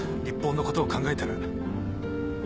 日本のことを考えたら。